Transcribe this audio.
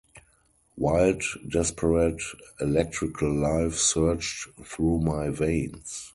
Wild, desperate, electrical life surged through my veins.